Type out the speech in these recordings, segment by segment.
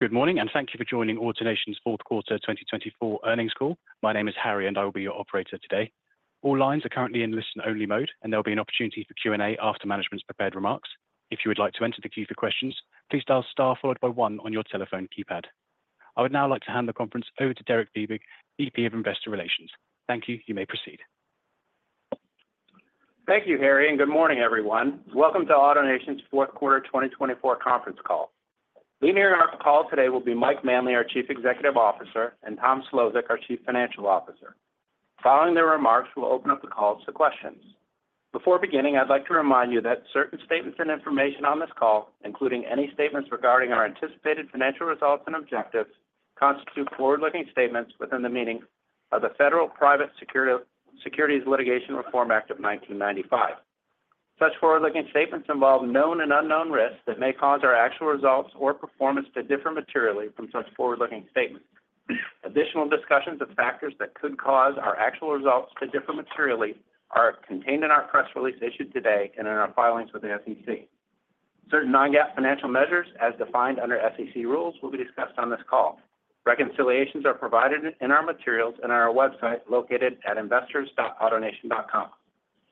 Good morning, and thank you for joining AutoNation's fourth quarter 2024 earnings call. My name is Harry, and I will be your operator today. All lines are currently in listen-only mode, and there will be an opportunity for Q&A after management's prepared remarks. If you would like to enter the queue for questions, please dial star followed by one on your telephone keypad. I would now like to hand the conference over to Derek Fiebig, VP of Investor Relations. Thank you, you may proceed. Thank you, Harry, and good morning, everyone. Welcome to AutoNation's fourth quarter 2024 conference call. Leading our call today will be Mike Manley, our Chief Executive Officer, and Tom Szlosek, our Chief Financial Officer. Following their remarks, we'll open up the call to questions. Before beginning, I'd like to remind you that certain statements and information on this call, including any statements regarding our anticipated financial results and objectives, constitute forward-looking statements within the meaning of the Federal Private Securities Litigation Reform Act of 1995. Such forward-looking statements involve known and unknown risks that may cause our actual results or performance to differ materially from such forward-looking statements. Additional discussions of factors that could cause our actual results to differ materially are contained in our press release issued today and in our filings with the SEC. Certain non-GAAP financial measures, as defined under SEC rules, will be discussed on this call. Reconciliations are provided in our materials and on our website located at investors.autonation.com.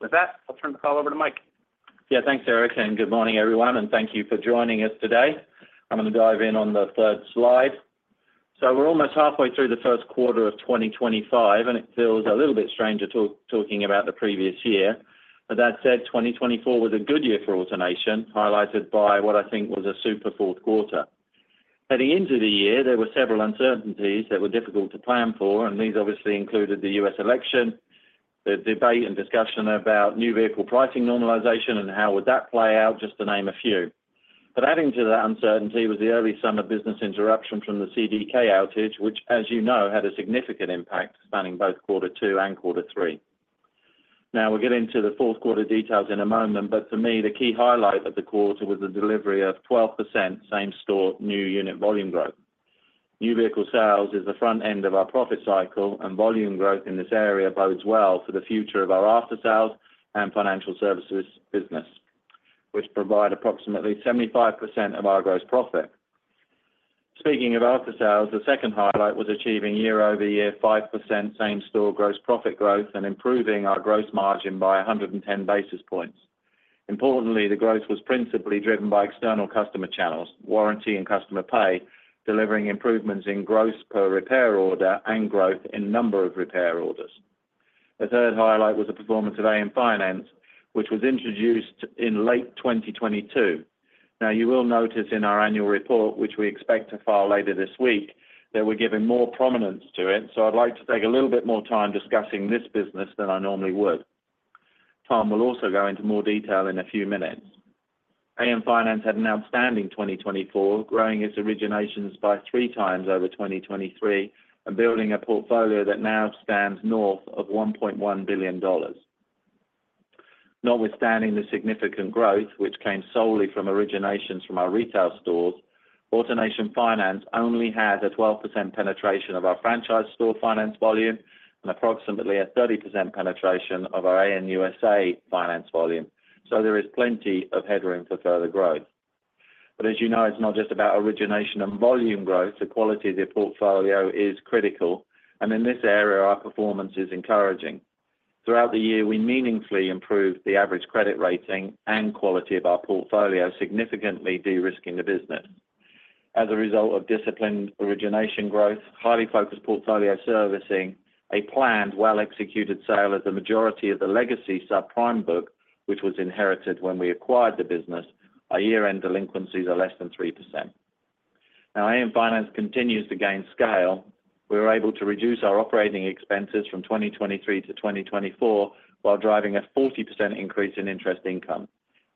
With that, I'll turn the call over to Mike. Yeah, thanks, Derek, and good morning, everyone, and thank you for joining us today. I'm going to dive in on the third slide. So we're almost halfway through the first quarter of 2025, and it feels a little bit stranger talking about the previous year. But that said, 2024 was a good year for AutoNation, highlighted by what I think was a super fourth quarter. Heading into the year, there were several uncertainties that were difficult to plan for, and these obviously included the U.S. election, the debate and discussion about new vehicle pricing normalization, and how would that play out, just to name a few. But adding to that uncertainty was the early summer business interruption from the CDK outage, which, as you know, had a significant impact spanning both quarter two and quarter three. Now we'll get into the fourth quarter details in a moment, but for me, the key highlight of the quarter was the delivery of 12% same-store new unit volume growth. New vehicle sales is the front end of our profit cycle, and volume growth in this area bodes well for the future of our after-sales and financial services business, which provide approximately 75% of our gross profit. Speaking of after-sales, the second highlight was achieving year-over-year 5% same-store gross profit growth and improving our gross margin by 110 basis points. Importantly, the growth was principally driven by external customer channels, warranty, and customer pay, delivering improvements in gross per repair order and growth in number of repair orders. The third highlight was the performance of AN Finance, which was introduced in late 2022. Now, you will notice in our annual report, which we expect to file later this week, that we're giving more prominence to it, so I'd like to take a little bit more time discussing this business than I normally would. Tom will also go into more detail in a few minutes. AN Finance had an outstanding 2024, growing its originations by three times over 2023 and building a portfolio that now stands north of $1.1 billion. Notwithstanding the significant growth, which came solely from originations from our retail stores, AutoNation Finance only had a 12% penetration of our franchise store finance volume and approximately a 30% penetration of our AN USA finance volume, so there is plenty of headroom for further growth. But as you know, it's not just about origination and volume growth. The quality of the portfolio is critical, and in this area, our performance is encouraging. Throughout the year, we meaningfully improved the average credit rating and quality of our portfolio, significantly de-risking the business. As a result of disciplined origination growth, highly focused portfolio servicing, a planned, well-executed sale of the majority of the legacy subprime book, which was inherited when we acquired the business, our year-end delinquencies are less than 3%. Now, AN Finance continues to gain scale. We were able to reduce our operating expenses from 2023 to 2024 while driving a 40% increase in interest income.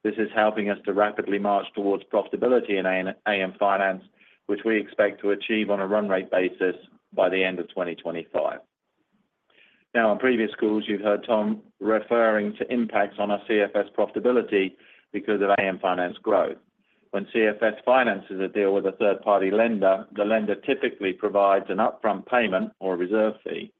This is helping us to rapidly march towards profitability in AN Finance, which we expect to achieve on a run rate basis by the end of 2025. Now, on previous calls, you've heard Tom referring to impacts on our CFS profitability because of AN Finance growth. When CFS finances a deal with a third-party lender, the lender typically provides an upfront payment or a reserve fee.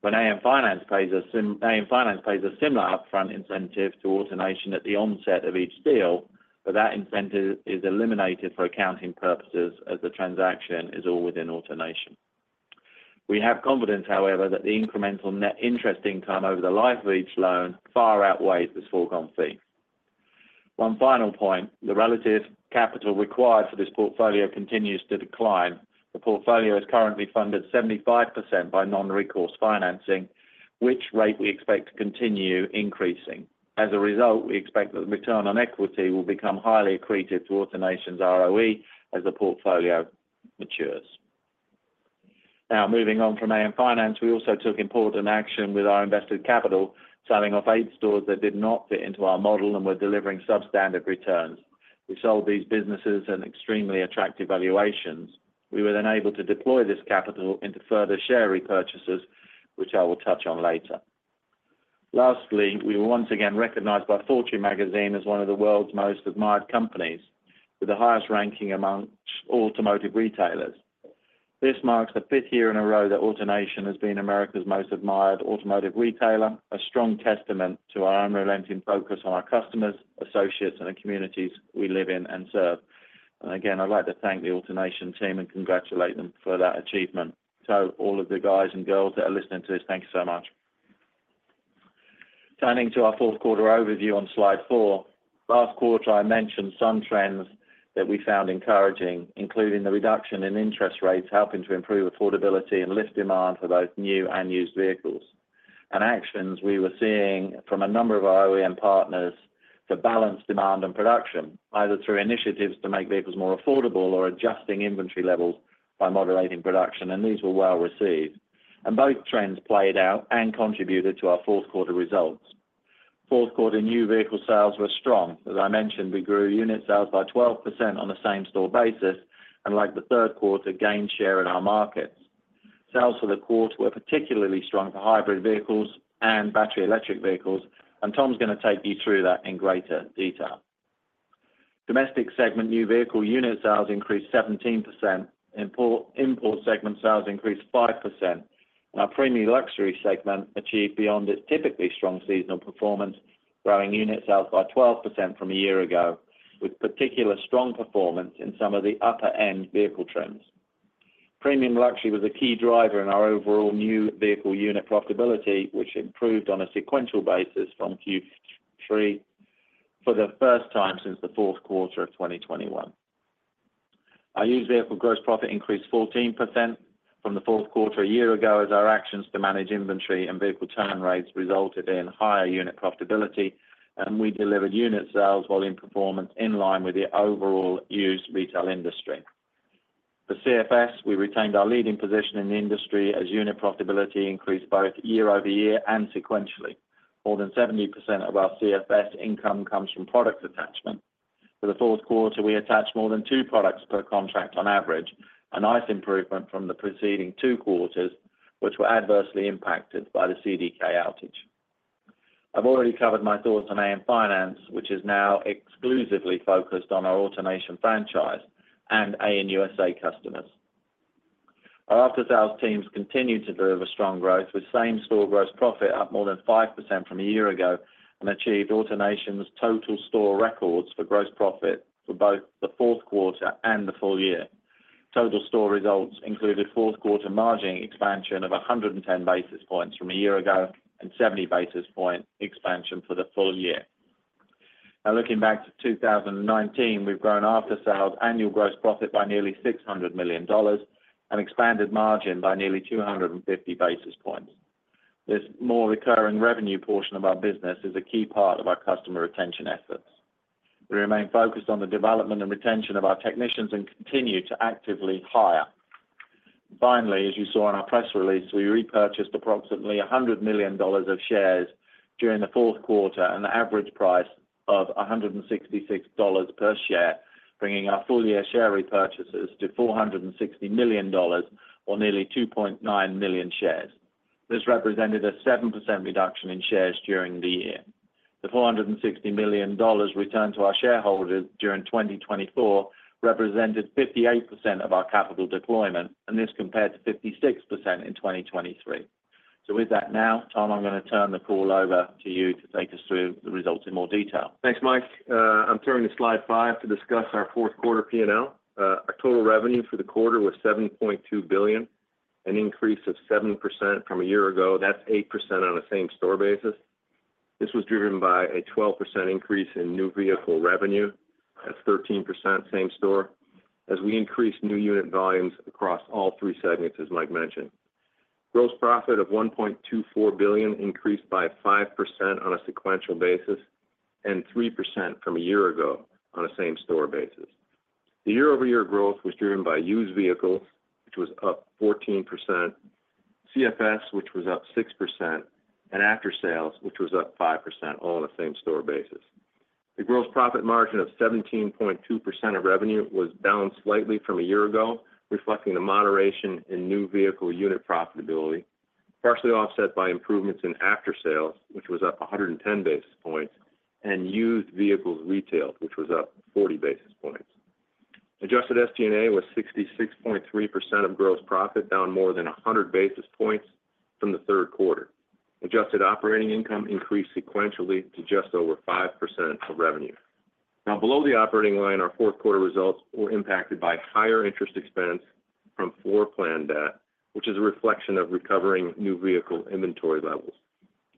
When AN Finance pays a similar upfront incentive to AutoNation at the onset of each deal, but that incentive is eliminated for accounting purposes as the transaction is all within AutoNation. We have confidence, however, that the incremental net interest income over the life of each loan far outweighs this foregone fee. One final point: the relative capital required for this portfolio continues to decline. The portfolio is currently funded 75% by non-recourse financing, which rate we expect to continue increasing. As a result, we expect that the return on equity will become highly accretive to AutoNation's ROE as the portfolio matures. Now, moving on from AN Finance, we also took important action with our invested capital, selling off eight stores that did not fit into our model and were delivering substandard returns. We sold these businesses at extremely attractive valuations. We were then able to deploy this capital into further share repurchases, which I will touch on later. Lastly, we were once again recognized by Fortune as one of the world's most admired companies, with the highest ranking amongst automotive retailers. This marks the fifth year in a row that AutoNation has been America's most admired automotive retailer, a strong testament to our unrelenting focus on our customers, associates, and the communities we live in and serve. And again, I'd like to thank the AutoNation team and congratulate them for that achievement. All of the guys and girls that are listening to this, thank you so much. Turning to our fourth quarter overview on slide four, last quarter, I mentioned some trends that we found encouraging, including the reduction in interest rates helping to improve affordability and lift demand for both new and used vehicles. Actions we were seeing from a number of our OEM partners to balance demand and production, either through initiatives to make vehicles more affordable or adjusting inventory levels by moderating production, and these were well received. Both trends played out and contributed to our fourth quarter results. Fourth quarter new vehicle sales were strong. As I mentioned, we grew unit sales by 12% on a same-store basis, and like the third quarter, gained share in our markets. Sales for the quarter were particularly strong for hybrid vehicles and battery electric vehicles, and Tom's going to take you through that in greater detail. Domestic segment new vehicle unit sales increased 17%, import segment sales increased 5%, and our premium luxury segment achieved beyond its typically strong seasonal performance, growing unit sales by 12% from a year ago, with particularly strong performance in some of the upper-end vehicle trends. Premium luxury was a key driver in our overall new vehicle unit profitability, which improved on a sequential basis from Q3 for the first time since the fourth quarter of 2021. Our used vehicle gross profit increased 14% from the fourth quarter a year ago as our actions to manage inventory and vehicle turn rates resulted in higher unit profitability, and we delivered unit sales with performance in line with the overall used retail industry. For CFS, we retained our leading position in the industry as unit profitability increased both year-over-year and sequentially. More than 70% of our CFS income comes from product attachment. For the fourth quarter, we attached more than two products per contract on average, a nice improvement from the preceding two quarters, which were adversely impacted by the CDK outage. I've already covered my thoughts on AN Finance, which is now exclusively focused on our AutoNation franchise and AN USA customers. Our after-sales teams continue to deliver strong growth, with same-store gross profit up more than 5% from a year ago, and achieved AutoNation's total store records for gross profit for both the fourth quarter and the full year. Total store results included fourth quarter margin expansion of 110 basis points from a year ago and 70 basis points expansion for the full year. Now, looking back to 2019, we've grown after-sales annual gross profit by nearly $600 million and expanded margin by nearly 250 basis points. This more recurring revenue portion of our business is a key part of our customer retention efforts. We remain focused on the development and retention of our technicians and continue to actively hire. Finally, as you saw in our press release, we repurchased approximately $100 million of shares during the fourth quarter and the average price of $166 per share, bringing our full-year share repurchases to $460 million or nearly 2.9 million shares. This represented a 7% reduction in shares during the year. The $460 million returned to our shareholders during 2024 represented 58% of our capital deployment, and this compared to 56% in 2023. So with that now, Tom, I'm going to turn the call over to you to take us through the results in more detail. Thanks, Mike. I'm turning to slide five to discuss our fourth quarter P&L. Our total revenue for the quarter was $7.2 billion, an increase of 7% from a year ago. That's 8% on a same-store basis. This was driven by a 12% increase in new vehicle revenue. That's 13% same-store as we increased new unit volumes across all three segments, as Mike mentioned. Gross profit of $1.24 billion increased by 5% on a sequential basis and 3% from a year ago on a same-store basis. The year-over-year growth was driven by used vehicles, which was up 14%, CFS, which was up 6%, and after-sales, which was up 5%, all on a same-store basis. The gross profit margin of 17.2% of revenue was down slightly from a year ago, reflecting the moderation in new vehicle unit profitability, partially offset by improvements in after-sales, which was up 110 basis points, and used vehicles retailed, which was up 40 basis points. Adjusted SG&A was 66.3% of gross profit, down more than 100 basis points from the third quarter. Adjusted operating income increased sequentially to just over 5% of revenue. Now, below the operating line, our fourth quarter results were impacted by higher interest expense from floor plan debt, which is a reflection of recovering new vehicle inventory levels.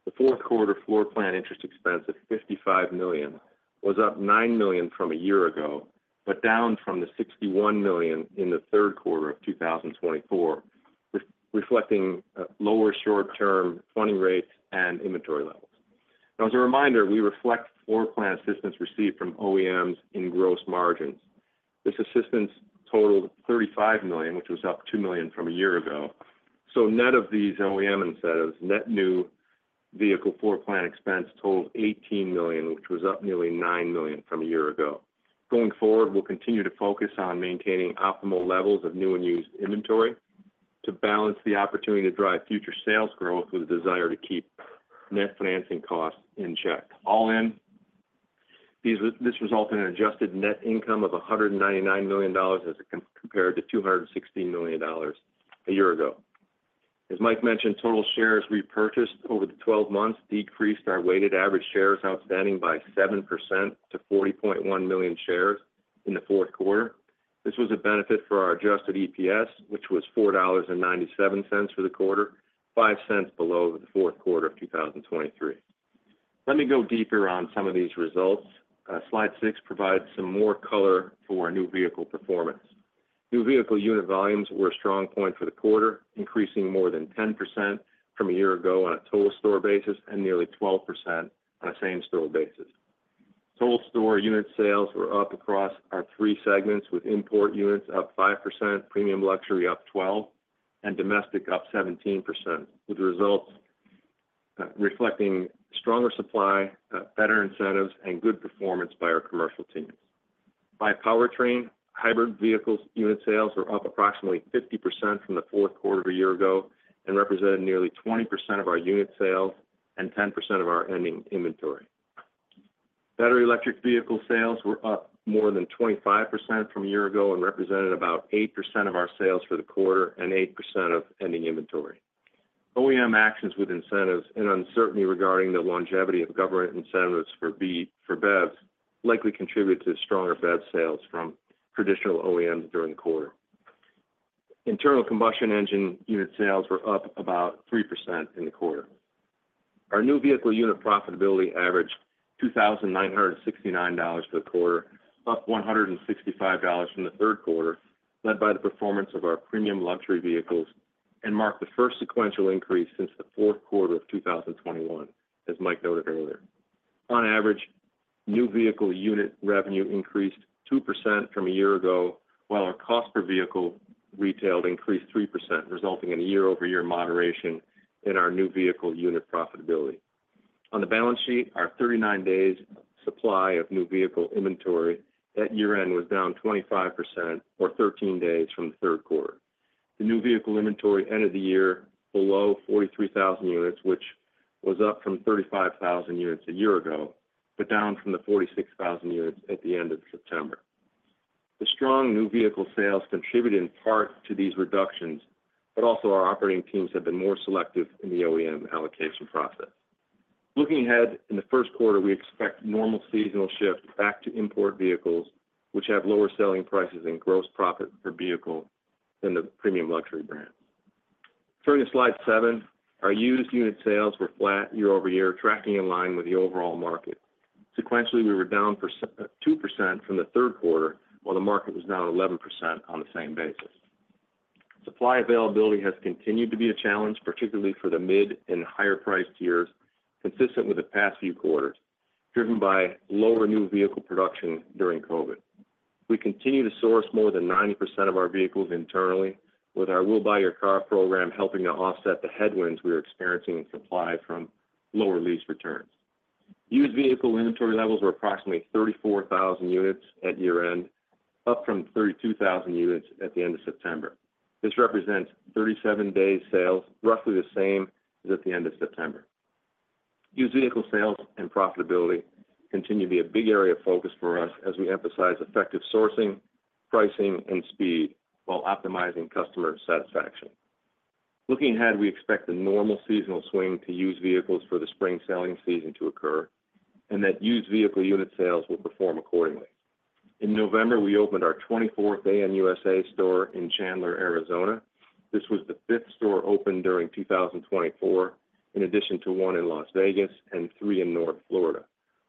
The fourth quarter floor plan interest expense of $55 million was up $9 million from a year ago, but down from the $61 million in the third quarter of 2024, reflecting lower short-term funding rates and inventory levels. Now, as a reminder, we reflect floor plan assistance received from OEMs in gross margins. This assistance totaled $35 million, which was up $2 million from a year ago. So net of these OEM incentives, net new vehicle floor plan expense totaled $18 million, which was up nearly $9 million from a year ago. Going forward, we'll continue to focus on maintaining optimal levels of new and used inventory to balance the opportunity to drive future sales growth with a desire to keep net financing costs in check. All in, this resulted in an adjusted net income of $199 million as compared to $216 million a year ago. As Mike mentioned, total shares repurchased over the 12 months decreased our weighted average shares outstanding by 7% to $40.1 million shares in the fourth quarter. This was a benefit for our adjusted EPS, which was $4.97 for the quarter, $0.05 below the fourth quarter of 2023. Let me go deeper on some of these results. Slide six provides some more color for new vehicle performance. New vehicle unit volumes were a strong point for the quarter, increasing more than 10% from a year ago on a total store basis and nearly 12% on a same-store basis. Total store unit sales were up across our three segments, with import units up 5%, premium luxury up 12%, and domestic up 17%, with results reflecting stronger supply, better incentives, and good performance by our commercial teams. By powertrain, hybrid vehicles unit sales were up approximately 50% from the fourth quarter of a year ago and represented nearly 20% of our unit sales and 10% of our ending inventory. Battery electric vehicle sales were up more than 25% from a year ago and represented about 8% of our sales for the quarter and 8% of ending inventory. OEM actions with incentives and uncertainty regarding the longevity of government incentives for BEVs likely contributed to stronger BEV sales from traditional OEMs during the quarter. Internal combustion engine unit sales were up about 3% in the quarter. Our new vehicle unit profitability averaged $2,969 for the quarter, up $165 from the third quarter, led by the performance of our premium luxury vehicles and marked the first sequential increase since the fourth quarter of 2021, as Mike noted earlier. On average, new vehicle unit revenue increased 2% from a year ago, while our cost per vehicle retailed increased 3%, resulting in a year-over-year moderation in our new vehicle unit profitability. On the balance sheet, our 39-day supply of new vehicle inventory at year-end was down 25%, or 13 days from the third quarter. The new vehicle inventory ended the year below 43,000 units, which was up from 35,000 units a year ago, but down from the 46,000 units at the end of September. The strong new vehicle sales contributed in part to these reductions, but also our operating teams have been more selective in the OEM allocation process. Looking ahead in the first quarter, we expect normal seasonal shift back to import vehicles, which have lower selling prices and gross profit per vehicle than the premium luxury brands. Turning to slide seven, our used unit sales were flat year-over-year, tracking in line with the overall market. Sequentially, we were down 2% from the third quarter, while the market was down 11% on the same basis. Supply availability has continued to be a challenge, particularly for the mid and higher-priced years, consistent with the past few quarters, driven by lower new vehicle production during COVID. We continue to source more than 90% of our vehicles internally, with our We'll Buy Your Car program helping to offset the headwinds we are experiencing in supply from lower lease returns. Used vehicle inventory levels were approximately 34,000 units at year-end, up from 32,000 units at the end of September. This represents 37-day sales, roughly the same as at the end of September. Used vehicle sales and profitability continue to be a big area of focus for us as we emphasize effective sourcing, pricing, and speed while optimizing customer satisfaction. Looking ahead, we expect a normal seasonal swing to used vehicles for the spring selling season to occur and that used vehicle unit sales will perform accordingly. In November, we opened our 24th AN USA store in Chandler, Arizona. This was the fifth store opened during 2024, in addition to one in Las Vegas and three in North Florida,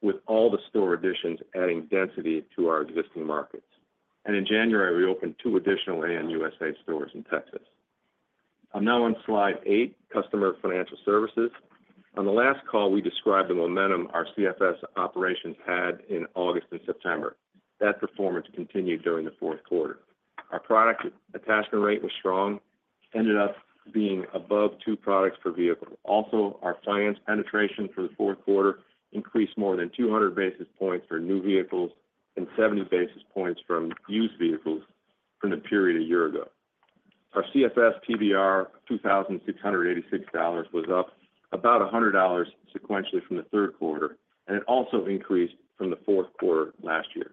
with all the store additions adding density to our existing markets, and in January, we opened two additional AN USA stores in Texas. I'm now on slide eight, customer financial services. On the last call, we described the momentum our CFS operations had in August and September. That performance continued during the fourth quarter. Our product attachment rate was strong, ended up being above two products per vehicle. Also, our finance penetration for the fourth quarter increased more than 200 basis points for new vehicles and 70 basis points from used vehicles from the period a year ago. Our CFS PVR of $2,686 was up about $100 sequentially from the third quarter, and it also increased from the fourth quarter last year.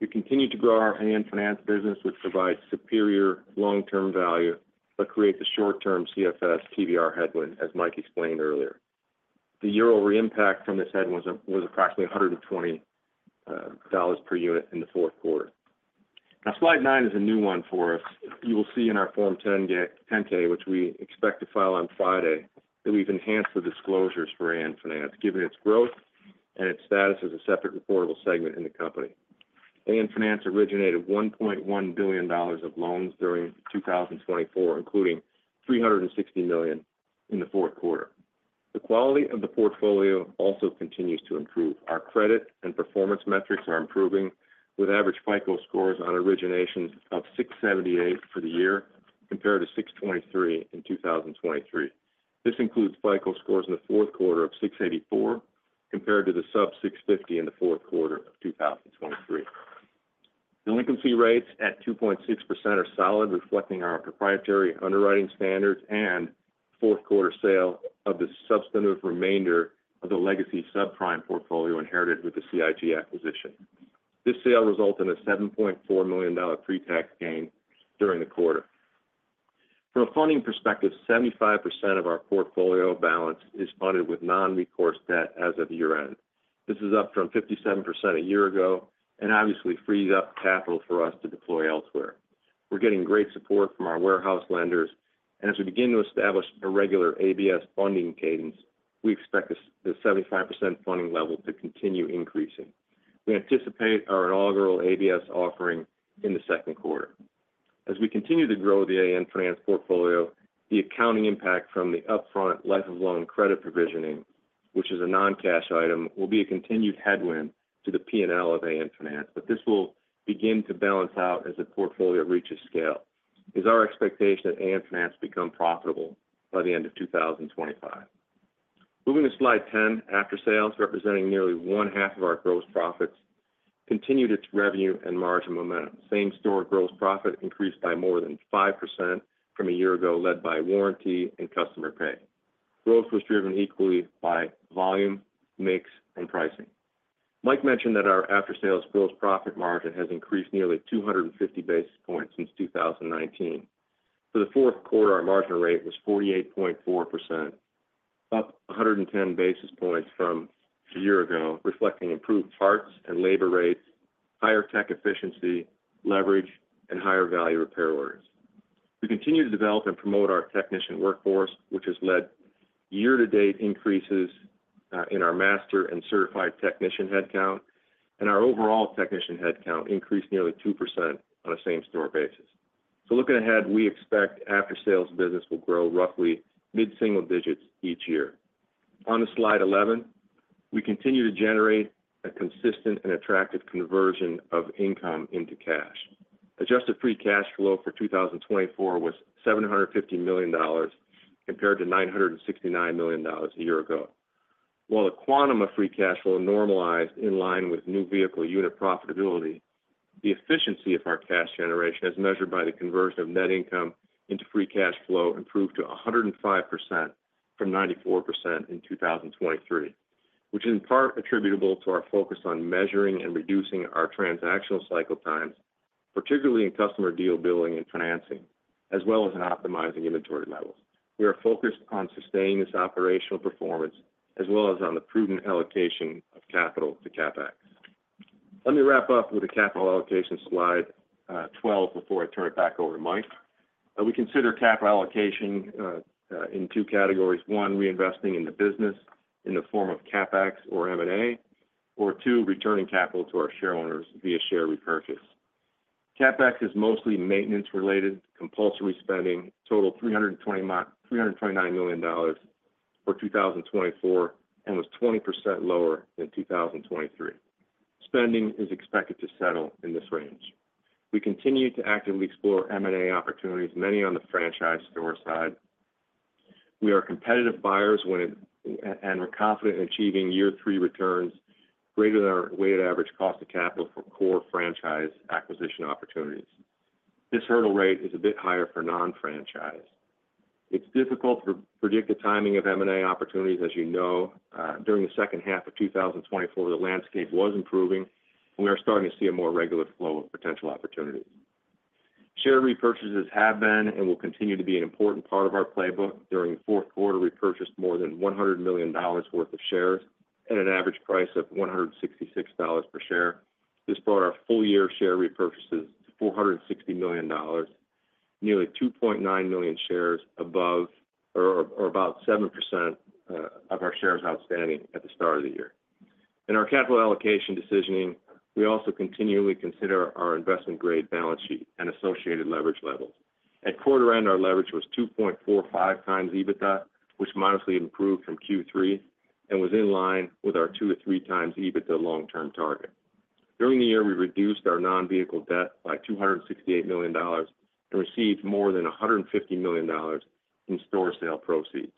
We continue to grow our AN Finance business, which provides superior long-term value but creates a short-term CFS PVR headwind, as Mike explained earlier. The year-over impact from this headwind was approximately $120 per unit in the fourth quarter. Now, slide nine is a new one for us. You will see in our Form 10-K, which we expect to file on Friday, that we've enhanced the disclosures for AN Finance, given its growth and its status as a separate reportable segment in the company. AN Finance originated $1.1 billion of loans during 2024, including $360 million in the fourth quarter. The quality of the portfolio also continues to improve. Our credit and performance metrics are improving, with average FICO scores on originations of 678 for the year compared to 623 in 2023. This includes FICO scores in the fourth quarter of 684 compared to the sub-650 in the fourth quarter of 2023. The loss rate of 2.6% is solid, reflecting our proprietary underwriting standards and fourth quarter sale of the substantive remainder of the legacy subprime portfolio inherited with the CIG acquisition. This sale resulted in a $7.4 million pre-tax gain during the quarter. From a funding perspective, 75% of our portfolio balance is funded with non-recourse debt as of year-end. This is up from 57% a year ago and obviously frees up capital for us to deploy elsewhere. We're getting great support from our warehouse lenders, and as we begin to establish a regular ABS funding cadence, we expect the 75% funding level to continue increasing. We anticipate our inaugural ABS offering in the second quarter. As we continue to grow the AN Finance portfolio, the accounting impact from the upfront life of loan credit provisioning, which is a non-cash item, will be a continued headwind to the P&L of AN Finance, but this will begin to balance out as the portfolio reaches scale. It's our expectation that AN Finance becomes profitable by the end of 2025. Moving to slide 10, after-sales, representing nearly one-half of our gross profits, continued its revenue and margin momentum. Same-store gross profit increased by more than 5% from a year ago, led by warranty and customer pay. Growth was driven equally by volume, mix, and pricing. Mike mentioned that our after-sales gross profit margin has increased nearly 250 basis points since 2019. For the fourth quarter, our margin rate was 48.4%, up 110 basis points from a year ago, reflecting improved parts and labor rates, higher tech efficiency, leverage, and higher value repair orders. We continue to develop and promote our technician workforce, which has led year-to-date increases in our master and certified technician headcount, and our overall technician headcount increased nearly 2% on a same-store basis. So looking ahead, we expect after-sales business will grow roughly mid-single digits each year. On slide 11, we continue to generate a consistent and attractive conversion of income into cash. Adjusted free cash flow for 2024 was $750 million compared to $969 million a year ago. While the quantum of free cash flow normalized in line with new vehicle unit profitability, the efficiency of our cash generation, as measured by the conversion of net income into free cash flow, improved to 105% from 94% in 2023, which is in part attributable to our focus on measuring and reducing our transactional cycle times, particularly in customer deal building and financing, as well as in optimizing inventory levels. We are focused on sustaining this operational performance, as well as on the prudent allocation of capital to CapEx. Let me wrap up with a capital allocation slide 12 before I turn it back over to Mike. We consider capital allocation in two categories. One, reinvesting in the business in the form of CapEx or M&A, or two, returning capital to our shareholders via share repurchase. CapEx is mostly maintenance-related compulsory spending, totaled $329 million for 2024 and was 20% lower than 2023. Spending is expected to settle in this range. We continue to actively explore M&A opportunities, many on the franchise store side. We are competitive buyers and are confident in achieving year-three returns greater than our weighted average cost of capital for core franchise acquisition opportunities. This hurdle rate is a bit higher for non-franchise. It's difficult to predict the timing of M&A opportunities, as you know. During the second half of 2024, the landscape was improving, and we are starting to see a more regular flow of potential opportunities. Share repurchases have been and will continue to be an important part of our playbook. During the fourth quarter, we purchased more than $100 million worth of shares at an average price of $166 per share. This brought our full-year share repurchases to $460 million, nearly 2.9 million shares above or about 7% of our shares outstanding at the start of the year. In our capital allocation decisioning, we also continually consider our investment-grade balance sheet and associated leverage levels. At quarter-end, our leverage was 2.45 times EBITDA, which modestly improved from Q3 and was in line with our 2 to 3 times EBITDA long-term target. During the year, we reduced our non-vehicle debt by $268 million and received more than $150 million in store sale proceeds.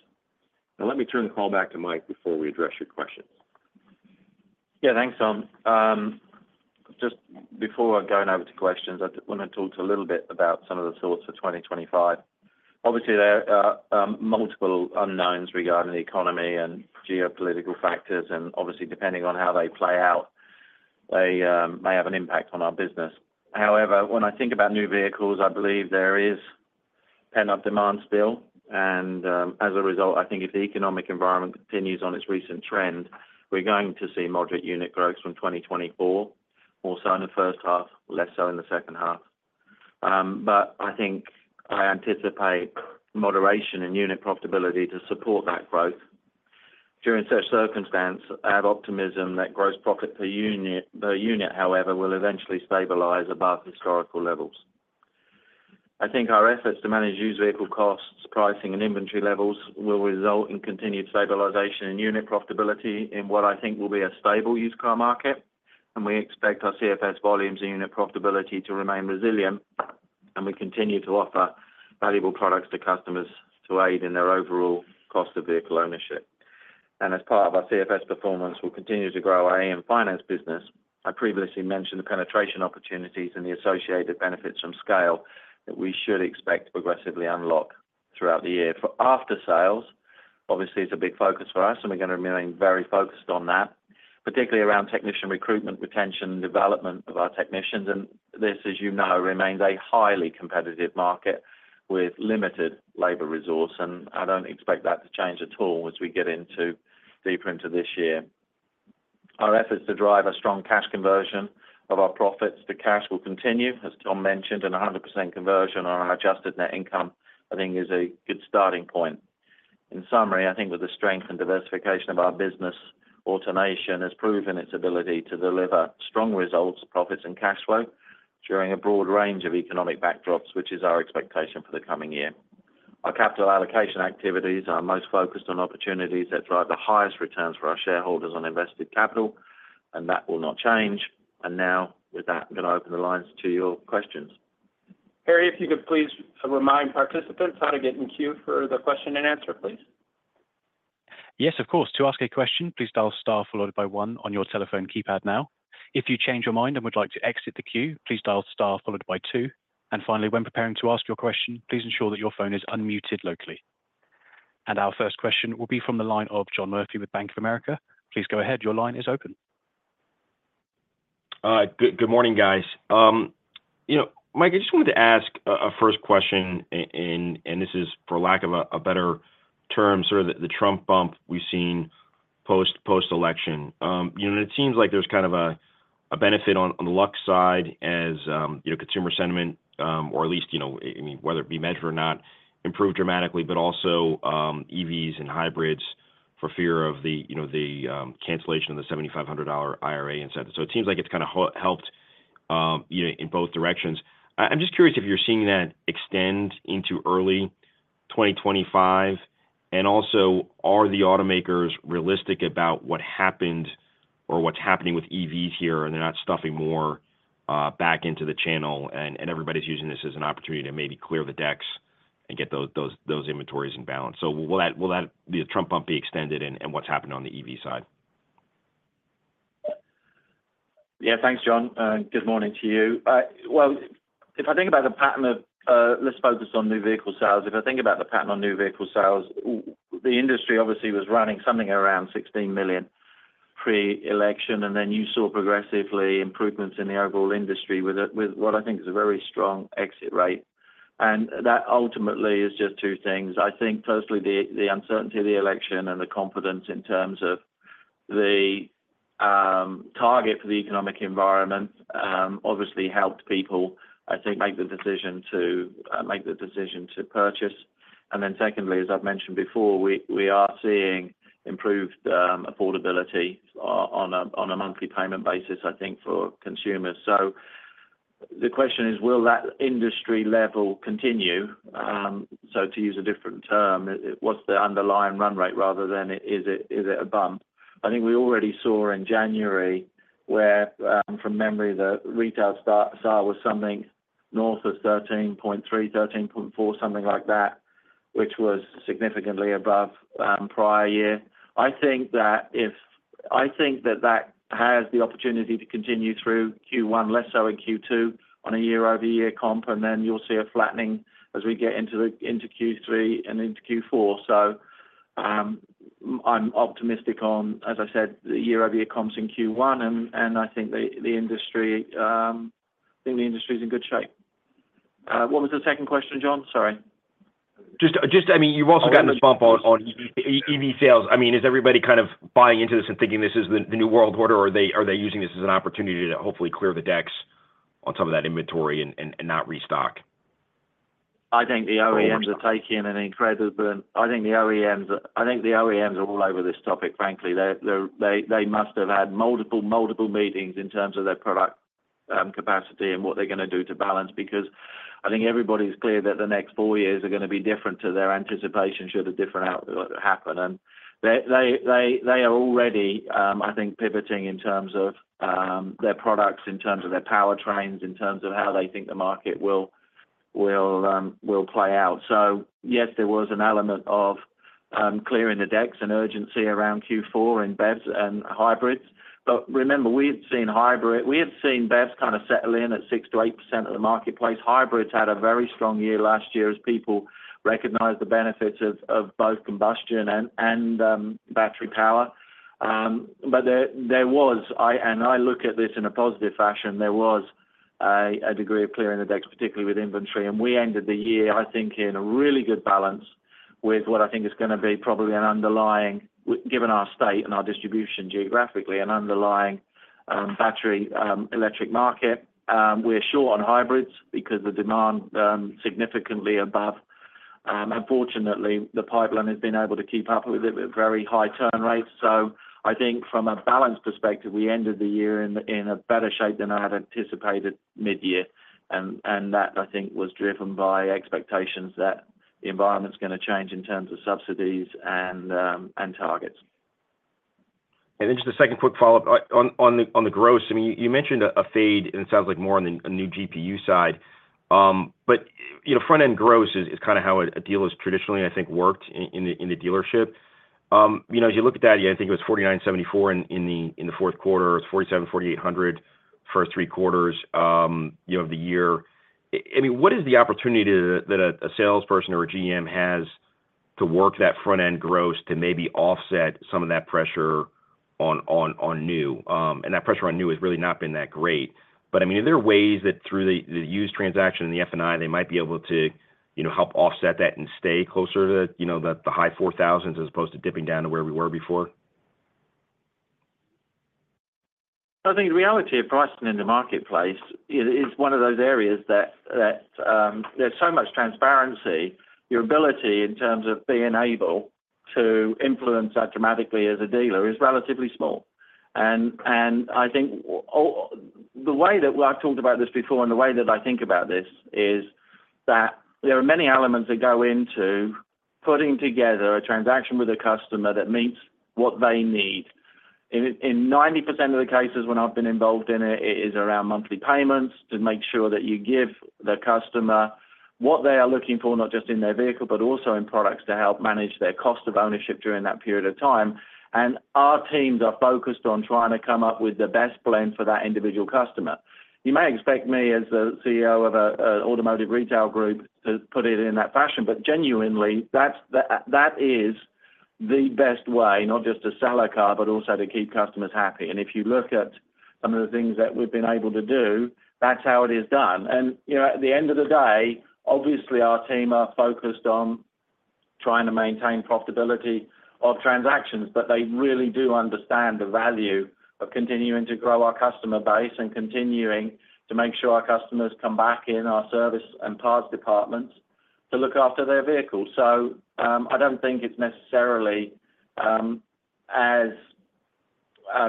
Now, let me turn the call back to Mike before we address your questions. Yeah, thanks, Tom. Just before I go now to questions, I want to talk to you a little bit about some of the thoughts for 2025. Obviously, there are multiple unknowns regarding the economy and geopolitical factors, and obviously, depending on how they play out, they may have an impact on our business. However, when I think about new vehicles, I believe there is a pent-up demand still, and as a result, I think if the economic environment continues on its recent trend, we're going to see moderate unit growth from 2024, more so in the first half, less so in the second half. But I think I anticipate moderation in unit profitability to support that growth. During such circumstances, I have optimism that gross profit per unit, however, will eventually stabilize above historical levels. I think our efforts to manage used vehicle costs, pricing, and inventory levels will result in continued stabilization in unit profitability in what I think will be a stable used car market, and we expect our CFS volumes and unit profitability to remain resilient and we continue to offer valuable products to customers to aid in their overall cost of vehicle ownership, and as part of our CFS performance, we'll continue to grow our AN Finance business. I previously mentioned the penetration opportunities and the associated benefits from scale that we should expect to progressively unlock throughout the year. For after-sales, obviously, it's a big focus for us, and we're going to remain very focused on that, particularly around technician recruitment, retention, and development of our technicians. And this, as you know, remains a highly competitive market with limited labor resource, and I don't expect that to change at all as we get deeper into this year. Our efforts to drive a strong cash conversion of our profits to cash will continue, as Tom mentioned, and 100% conversion on our adjusted net income, I think, is a good starting point. In summary, I think with the strength and diversification of our business, AutoNation has proven its ability to deliver strong results, profits, and cash flow during a broad range of economic backdrops, which is our expectation for the coming year. Our capital allocation activities are most focused on opportunities that drive the highest returns for our shareholders on invested capital, and that will not change. And now, with that, I'm going to open the lines to your questions. Harry, if you could please remind participants how to get in queue for the question and answer, please. Yes, of course. To ask a question, please dial star followed by one on your telephone keypad now. If you change your mind and would like to exit the queue, please dial star followed by two. And finally, when preparing to ask your question, please ensure that your phone is unmuted locally. And our first question will be from the line of John Murphy with Bank of America. Please go ahead. Your line is open. All right. Good morning, guys. Mike, I just wanted to ask a first question, and this is, for lack of a better term, sort of the Trump bump we've seen post-election. It seems like there's kind of a benefit on the lux side as consumer sentiment, or at least, whether it be measured or not, improved dramatically, but also EVs and hybrids for fear of the cancellation of the $7,500 IRA incentive. So it seems like it's kind of helped in both directions. I'm just curious if you're seeing that extend into early 2025, and also, are the automakers realistic about what happened or what's happening with EVs here and they're not stuffing more back into the channel and everybody's using this as an opportunity to maybe clear the decks and get those inventories in balance? So will the Trump bump be extended and what's happened on the EV side? Yeah, thanks, John. Good morning to you. Let's focus on new vehicle sales. If I think about the pattern on new vehicle sales, the industry obviously was running something around 16 million pre-election, and then you saw progressive improvements in the overall industry with what I think is a very strong exit rate. That ultimately is just two things. I think, firstly, the uncertainty of the election and the confidence in terms of the target for the economic environment obviously helped people, I think, make the decision to purchase. Then secondly, as I've mentioned before, we are seeing improved affordability on a monthly payment basis, I think, for consumers. The question is, will that industry level continue? To use a different term, what's the underlying run rate rather than is it a bump? I think we already saw in January where, from memory, the retail SAAR was something north of 13.3, 13.4, something like that, which was significantly above prior year. I think that that has the opportunity to continue through Q1, less so in Q2 on a year-over-year comp, and then you'll see a flattening as we get into Q3 and into Q4. So I'm optimistic on, as I said, the year-over-year comps in Q1, and I think the industry is in good shape. What was the second question, John? Sorry. Just, I mean, you've also gotten a bump on EV sales. I mean, is everybody kind of buying into this and thinking this is the new world order, or are they using this as an opportunity to hopefully clear the decks on some of that inventory and not restock? I think the OEMs are taking an incredible—I think the OEMs are all over this topic, frankly. They must have had multiple, multiple meetings in terms of their product capacity and what they're going to do to balance because I think everybody's clear that the next four years are going to be different to their anticipation should a different outlook happen. And they are already, I think, pivoting in terms of their products, in terms of their powertrains, in terms of how they think the market will play out. So yes, there was an element of clearing the decks and urgency around Q4 in BEVs and hybrids. But remember, we had seen BEVs kind of settle in at 6%-8% of the marketplace. Hybrids had a very strong year last year as people recognized the benefits of both combustion and battery power. But there was, and I look at this in a positive fashion, there was a degree of clearing the decks, particularly with inventory. And we ended the year, I think, in a really good balance with what I think is going to be probably an underlying, given our state and our distribution geographically, an underlying battery electric market. We're short on hybrids because the demand is significantly above. Unfortunately, the pipeline has been able to keep up with very high turn rates. So I think from a balance perspective, we ended the year in a better shape than I had anticipated mid-year. And that, I think, was driven by expectations that the environment's going to change in terms of subsidies and targets. And then just a second quick follow-up on the gross. I mean, you mentioned a fade, and it sounds like more on the new GPU side. But front-end gross is kind of how a dealer's traditionally, I think, worked in the dealership. As you look at that, I think it was $4,974 in the fourth quarter, $4,740, $800 first three quarters of the year. I mean, what is the opportunity that a salesperson or a GM has to work that front-end gross to maybe offset some of that pressure on new? And that pressure on new has really not been that great. But I mean, are there ways that through the used transaction and the F&I, they might be able to help offset that and stay closer to the high 4,000s as opposed to dipping down to where we were before? I think the reality of pricing in the marketplace is one of those areas that there's so much transparency. Your ability in terms of being able to influence that dramatically as a dealer is relatively small, and I think the way that I've talked about this before and the way that I think about this is that there are many elements that go into putting together a transaction with a customer that meets what they need. In 90% of the cases when I've been involved in it, it is around monthly payments to make sure that you give the customer what they are looking for, not just in their vehicle, but also in products to help manage their cost of ownership during that period of time, and our teams are focused on trying to come up with the best blend for that individual customer. You may expect me as the CEO of an automotive retail group to put it in that fashion, but genuinely, that is the best way, not just to sell a car, but also to keep customers happy. And if you look at some of the things that we've been able to do, that's how it is done. And at the end of the day, obviously, our team are focused on trying to maintain profitability of transactions, but they really do understand the value of continuing to grow our customer base and continuing to make sure our customers come back in our service and parts departments to look after their vehicles. So I don't think it's necessarily as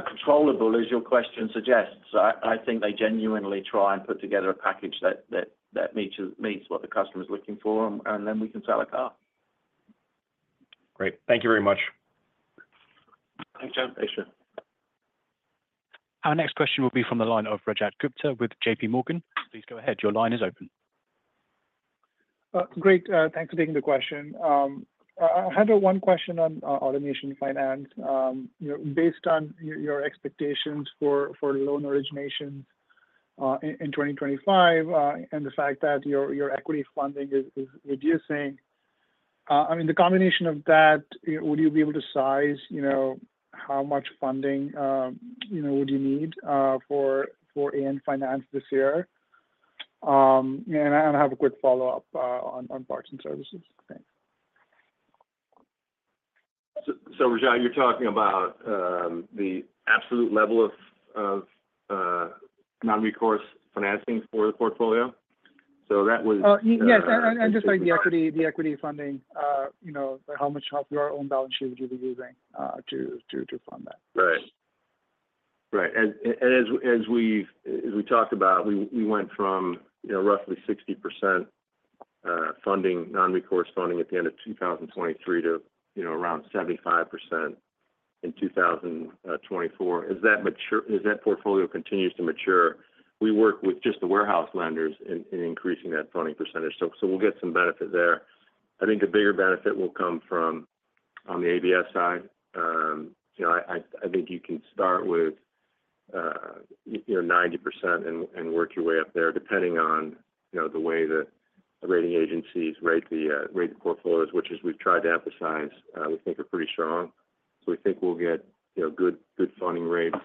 controllable as your question suggests. I think they genuinely try and put together a package that meets what the customer's looking for, and then we can sell a car. Great. Thank you very much. Thanks, John. Our next question will be from the line of Rajat Gupta with J.P. Morgan. Please go ahead. Your line is open. Great. Thanks for taking the question. I had one question on AutoNation Finance. Based on your expectations for loan origination in 2025 and the fact that your equity funding is reducing, I mean, the combination of that, would you be able to size how much funding would you need for AN Finance this year? And I have a quick follow-up on parts and services. Thanks. So Rajat, you're talking about the absolute level of non-recourse financing for the portfolio? So that was. Yes. And just like the equity funding, how much of your own balance sheet would you be using to fund that? Right. Right. As we talked about, we went from roughly 60% non-recourse funding at the end of 2023 to around 75% in 2024. As that portfolio continues to mature, we work with just the warehouse lenders in increasing that funding percentage. We'll get some benefit there. I think the bigger benefit will come from on the ABS side. I think you can start with 90% and work your way up there depending on the way the rating agencies rate the portfolios, which, as we've tried to emphasize, we think are pretty strong. We think we'll get good funding rates.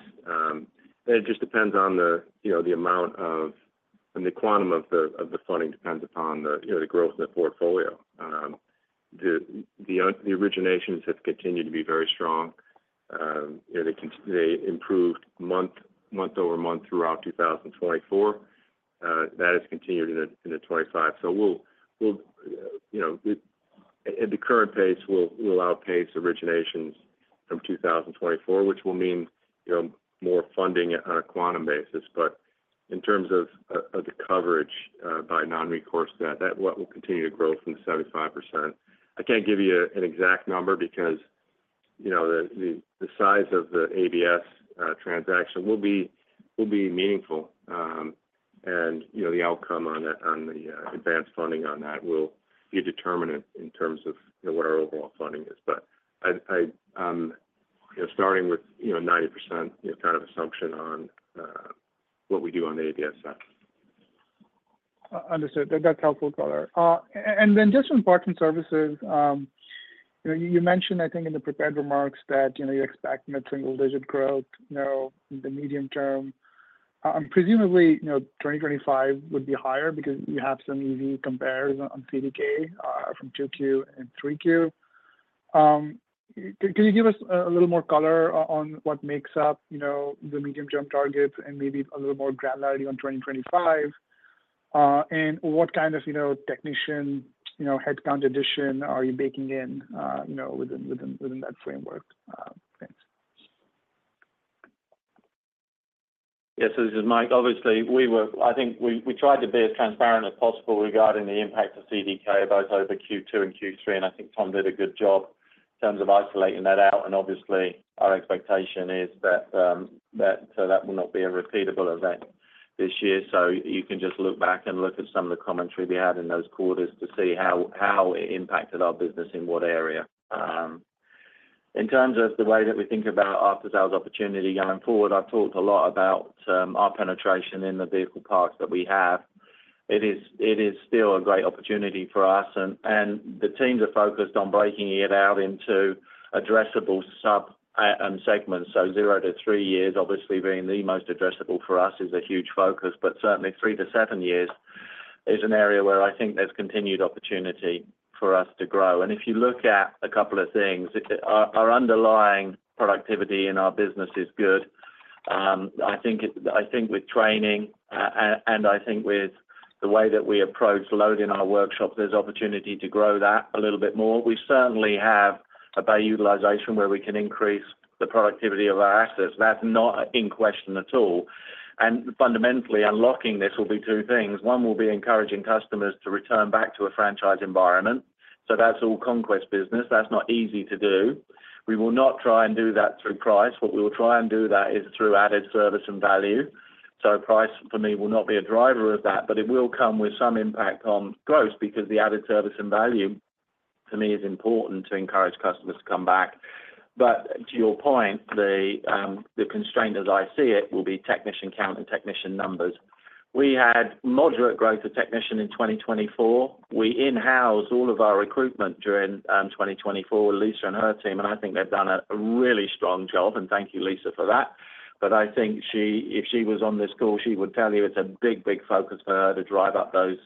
It just depends on the amount of—I mean, the quantum of the funding depends upon the growth in the portfolio. The originations have continued to be very strong. They improved month over month throughout 2024. That has continued into 2025. So at the current pace, we'll outpace originations from 2024, which will mean more funding on a quantum basis. But in terms of the coverage by non-recourse to that, that will continue to grow from 75%. I can't give you an exact number because the size of the ABS transaction will be meaningful. And the outcome on the advanced funding on that will be determinant in terms of what our overall funding is. But I'm starting with a 90% kind of assumption on what we do on the ABS side. Understood. That's helpful, color. And then just on parts and services, you mentioned, I think, in the prepared remarks that you expect a single-digit growth in the medium term. Presumably, 2025 would be higher because you have some EV compares on CDK from 2Q and 3Q. Can you give us a little more color on what makes up the medium-term targets and maybe a little more granularity on 2025? And what kind of technician headcount addition are you baking in within that framework? Thanks. Yes. This is Mike. Obviously, I think we tried to be as transparent as possible regarding the impact of CDK both over Q2 and Q3. And I think Tom did a good job in terms of isolating that out. And obviously, our expectation is that that will not be a repeatable event this year. So you can just look back and look at some of the commentary we had in those quarters to see how it impacted our business in what area. In terms of the way that we think about after-sales opportunity going forward, I've talked a lot about our penetration in the vehicle parc that we have. It is still a great opportunity for us, and the teams are focused on breaking it out into addressable sub-segments, so zero to three years, obviously, being the most addressable for us is a huge focus, but certainly, three to seven years is an area where I think there's continued opportunity for us to grow, and if you look at a couple of things, our underlying productivity in our business is good. I think with training, and I think with the way that we approach loading our workshops, there's opportunity to grow that a little bit more. We certainly have a bay utilization where we can increase the productivity of our assets. That's not in question at all, and fundamentally, unlocking this will be two things. One will be encouraging customers to return back to a franchise environment, so that's all conquest business. That's not easy to do. We will not try and do that through price. What we will try and do is through added service and value, so price, for me, will not be a driver of that, but it will come with some impact on gross because the added service and value, to me, is important to encourage customers to come back, but to your point, the constraint, as I see it, will be technician count and technician numbers. We had moderate growth of technician in 2024. We in-housed all of our recruitment during 2024 with Lisa and her team, and I think they've done a really strong job, and thank you, Lisa, for that, but I think if she was on this call, she would tell you it's a big, big focus for her to drive up those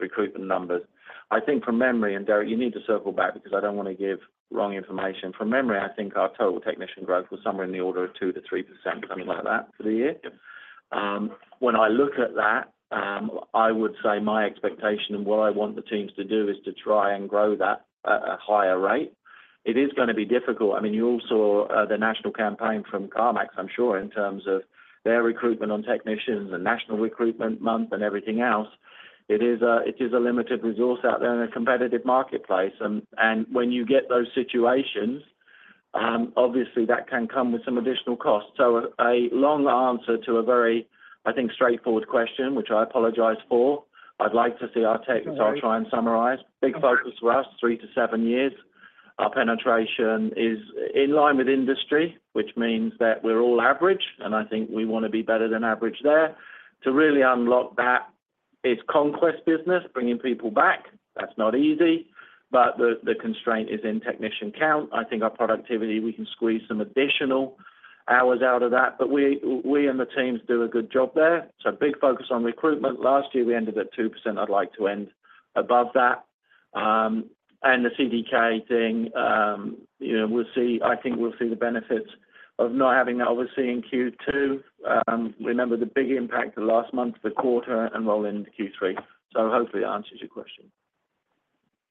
recruitment numbers. I think from memory (and Derek, you need to circle back because I don't want to give wrong information) from memory, I think our total technician growth was somewhere in the order of 2% to 3%, something like that, for the year. When I look at that, I would say my expectation and what I want the teams to do is to try and grow that at a higher rate. It is going to be difficult. I mean, you all saw the national campaign from CarMax, I'm sure, in terms of their recruitment on technicians and national recruitment month and everything else. It is a limited resource out there in a competitive marketplace. And when you get those situations, obviously, that can come with some additional costs. So a long answer to a very, I think, straightforward question, which I apologize for. I'd like to see our tech. So I'll try and summarize. Big focus for us, three to seven years. Our penetration is in line with industry, which means that we're all average. And I think we want to be better than average there. To really unlock that is conquest business, bringing people back. That's not easy. But the constraint is in technician count. I think our productivity, we can squeeze some additional hours out of that. But we and the teams do a good job there. So big focus on recruitment. Last year, we ended at 2%. I'd like to end above that. And the CDK thing, I think we'll see the benefits of not having that, obviously, in Q2. Remember the big impact last month, the quarter, and roll into Q3. So hopefully, that answers your question.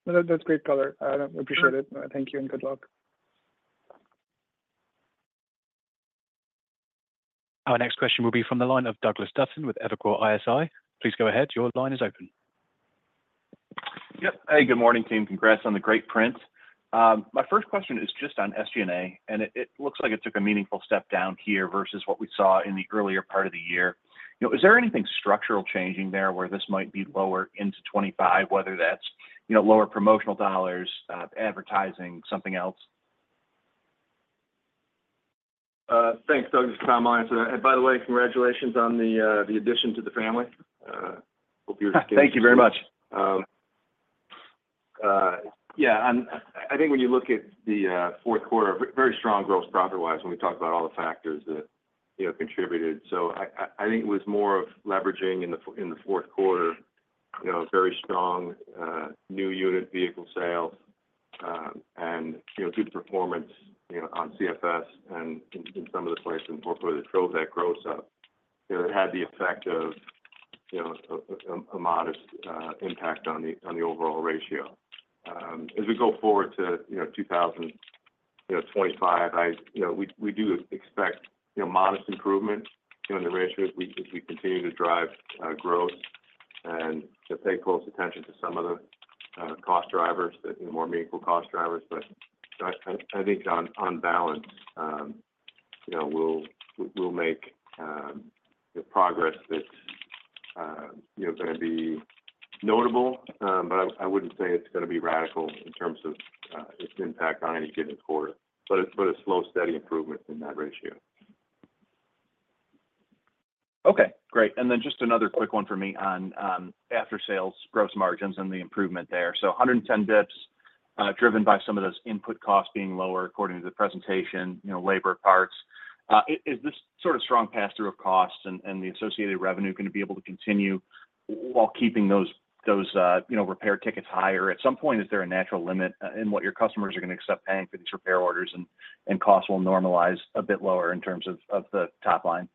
That's great, color. I appreciate it. Thank you and good luck. Our next question will be from the line of Douglas Dutton with Evercore ISI. Please go ahead. Your line is open. Yep. Hey, good morning, team. Congrats on the great print. My first question is just on SG&A. And it looks like it took a meaningful step down here versus what we saw in the earlier part of the year. Is there anything structural changing there where this might be lower into 2025, whether that's lower promotional dollars, advertising, something else? Thanks, Douglas. My answer. And by the way, congratulations on the addition to the family. Hope you're. Thank you very much. Yeah. I think when you look at the fourth quarter, very strong growth, profit-wise, when we talk about all the factors that contributed. So I think it was more of leveraging in the fourth quarter, very strong new unit vehicle sales and good performance on CFS and in some of the places in the portfolio that drove that growth up. It had the effect of a modest impact on the overall ratio. As we go forward to 2025, we do expect modest improvement in the ratio if we continue to drive growth and pay close attention to some of the cost drivers, the more meaningful cost drivers. But I think on balance, we'll make progress that's going to be notable, but I wouldn't say it's going to be radical in terms of its impact on any given quarter, but a slow, steady improvement in that ratio. Okay. Great. And then just another quick one for me on after-sales gross margins and the improvement there. 110 basis points driven by some of those input costs being lower according to the presentation, labor parts. Is this sort of strong pass-through of costs and the associated revenue going to be able to continue while keeping those repair tickets higher? At some point, is there a natural limit in what your customers are going to accept paying for these repair orders, and costs will normalize a bit lower in terms of the top line?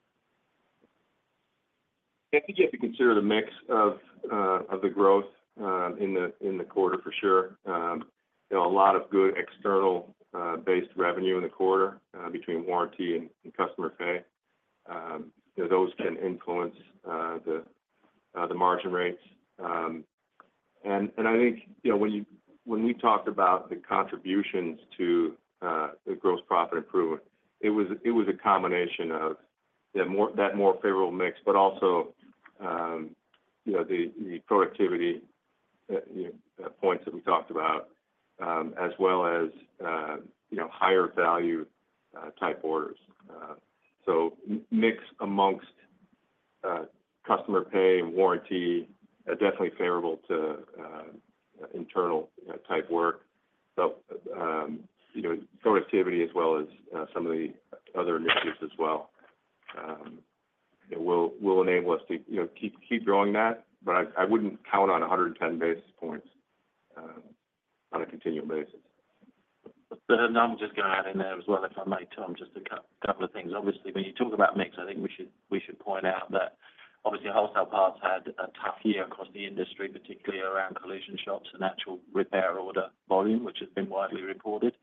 I think you have to consider the mix of the growth in the quarter, for sure. A lot of good external-based revenue in the quarter between warranty and customer pay. Those can influence the margin rates. I think when we talked about the contributions to the gross profit improvement, it was a combination of that more favorable mix, but also the productivity points that we talked about, as well as higher value-type orders. Mix amongst customer pay and warranty is definitely favorable to internal-type work. Productivity, as well as some of the other initiatives as well, will enable us to keep growing that. But I wouldn't count on 110 basis points on a continual basis. I'm just going to add in there as well, if I may, Tom, just a couple of things. Obviously, when you talk about mix, I think we should point out that, obviously, wholesale parts had a tough year across the industry, particularly around collision shops and actual repair order volume, which has been widely reported.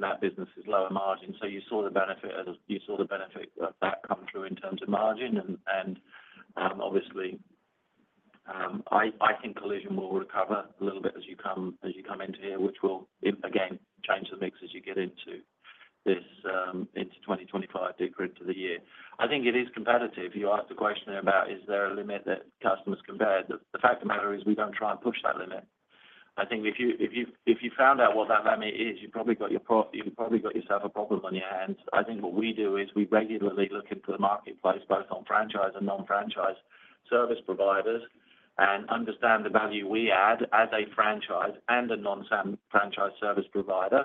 That business is lower margin. You saw the benefit of that come through in terms of margin. Obviously, I think collision will recover a little bit as you come into here, which will, again, change the mix as you get into 2025, deeper into the year. I think it is competitive. You asked the question about, is there a limit that customers compare? The fact of the matter is we don't try and push that limit. I think if you found out what that limit is, you've probably got your—you've probably got yourself a problem on your hands. I think what we do is we regularly look into the marketplace, both on franchise and non-franchise service providers, and understand the value we add as a franchise and a non-franchise service provider,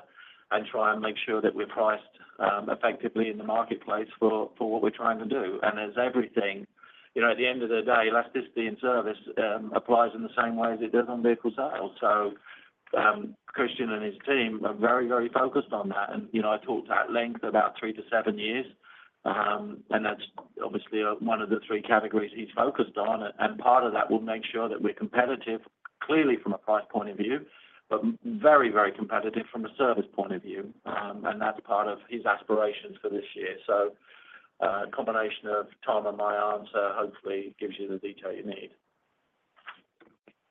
and try and make sure that we're priced effectively in the marketplace for what we're trying to do. And as everything, at the end of the day, elasticity in service applies in the same way as it does on vehicle sales. So Christian and his team are very, very focused on that. And I talked at length about three to seven years. And that's obviously one of the three categories he's focused on. And part of that will make sure that we're competitive, clearly from a price point of view, but very, very competitive from a service point of view. And that's part of his aspirations for this year. So a combination of Tom and my answer hopefully gives you the detail you need.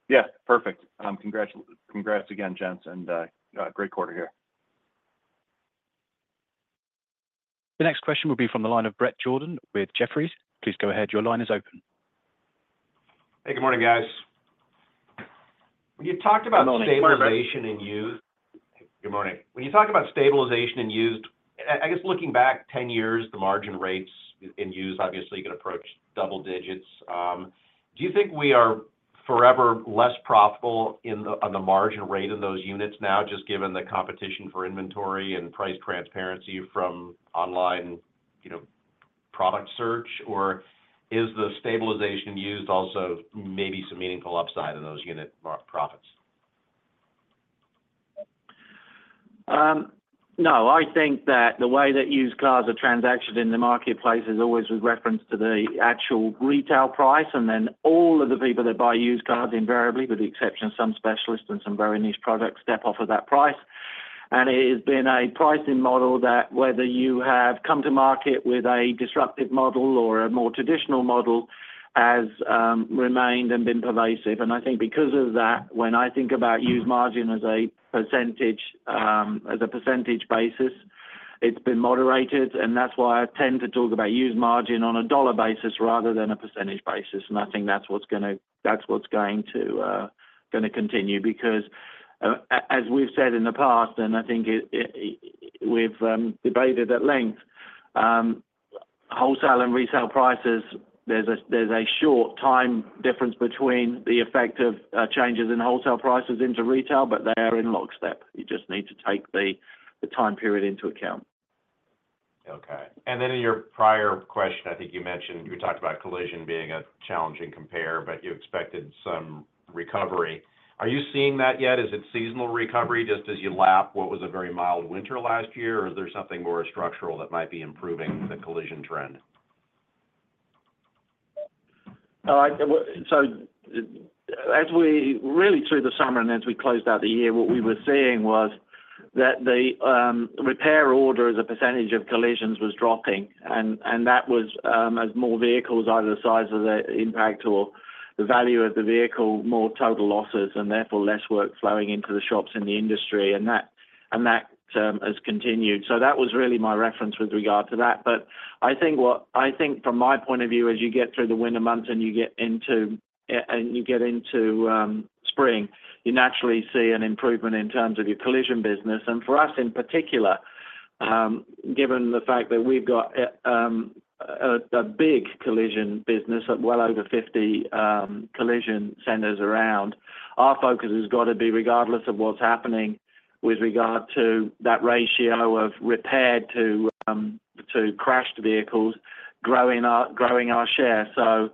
Yeah. Perfect. Congrats again, gents. And great quarter here. The next question will be from the line of Bret Jordan with Jefferies. Please go ahead. Your line is open. Hey, good morning, guys. When you talked about stabilization in used, good morning. Good morning. When you talk about stabilization in used, I guess looking back 10 years, the margin rates in used, obviously, you can approach double digits. Do you think we are forever less profitable on the margin rate in those units now, just given the competition for inventory and price transparency from online product search? Or is the stabilization in used also maybe some meaningful upside in those unit profits? No. I think that the way that used cars are transactions in the marketplace is always with reference to the actual retail price. And then all of the people that buy used cars invariably, with the exception of some specialists and some very niche products, step off of that price. And it has been a pricing model that whether you have come to market with a disruptive model or a more traditional model has remained and been pervasive. And I think because of that, when I think about used margin as a percentage basis, it's been moderated. And that's why I tend to talk about used margin on a dollar basis rather than a percentage basis. And I think that's what's going to continue because, as we've said in the past, and I think we've debated at length, wholesale and resale prices, there's a short time difference between the effect of changes in wholesale prices into retail, but they are in lockstep. You just need to take the time period into account. Okay. And then in your prior question, I think you mentioned you talked about collision being a challenging compare, but you expected some recovery. Are you seeing that yet? Is it seasonal recovery just as you lap what was a very mild winter last year? Or is there something more structural that might be improving the collision trend? So really, through the summer and as we closed out the year, what we were seeing was that the repair order as a percentage of collisions was dropping. And that was as more vehicles either the size of the impact or the value of the vehicle, more total losses, and therefore less work flowing into the shops in the industry. And that has continued. So that was really my reference with regard to that. But I think from my point of view, as you get through the winter months and you get into spring, you naturally see an improvement in terms of your collision business. And for us in particular, given the fact that we've got a big collision business, well over 50 collision centers around, our focus has got to be, regardless of what's happening, with regard to that ratio of repaired to crashed vehicles growing our share. So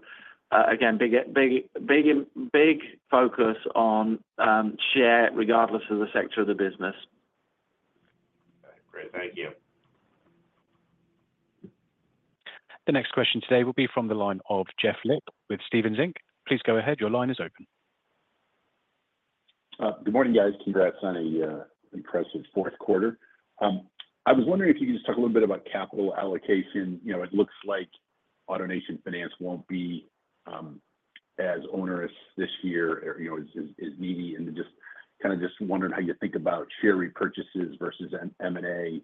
again, big focus on share regardless of the sector of the business. Okay. Great. Thank you. The next question today will be from the line of Jeff Lick with Stephens Inc. Please go ahead. Your line is open. Good morning, guys. Congrats on an impressive fourth quarter. I was wondering if you could just talk a little bit about capital allocation. It looks like AutoNation Finance won't be as onerous this year as needy. And just kind of wondering how you think about share repurchases versus M&A.